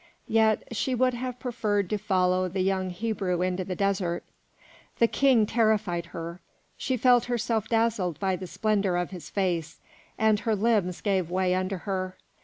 Yet she would have preferred to follow the young Hebrew into the desert. The King terrified her, she felt herself dazzled by the splendour of his face, and her limbs gave way under her.